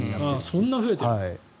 そんな増えてる。